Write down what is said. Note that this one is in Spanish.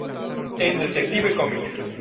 En "Detective Comics.